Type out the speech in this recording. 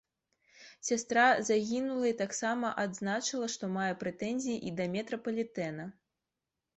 Сястра загінулай таксама адзначыла, што мае прэтэнзіі і да метрапалітэна.